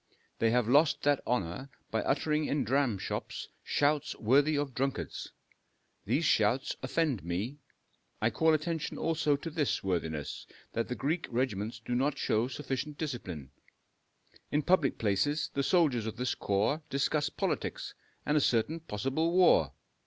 They have lost that honor by uttering in dramshops shouts worthy of drunkards. These shouts offend me. I call attention also to this, worthiness, that the Greek regiments do not show sufficient discipline. In public places the soldiers of this corps discuss politics and a certain possible war.